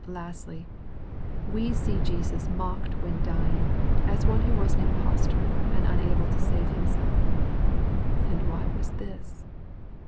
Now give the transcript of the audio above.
Lastly, we see Jesus mocked when dying, as one who was an impostor, and unable to save Himself. And why was this